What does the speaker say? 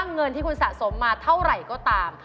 เงินที่คุณสะสมมาเท่าไหร่ก็ตาม